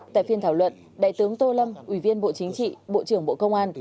tại phiên thảo luận đại tướng tô lâm ủy viên bộ chính trị bộ trưởng bộ công an